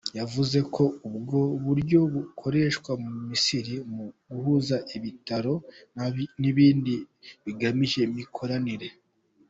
Yavuze ko ubwo buryo bukoreshwa mu Misiri mu guhuza ibitaro n’ibindi hagamijwe imikoranire.